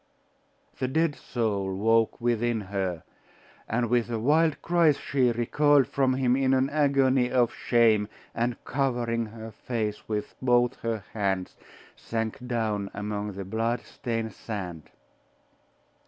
The dead soul woke within her; and with a wild cry she recoiled from him in an agony of shame, and covering her face with both her hands, sank down among the blood stained sand.